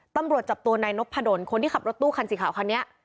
ตำรวจจับตัวนายนพดลคนที่ขับรถตู้คันสีขาวคันนี้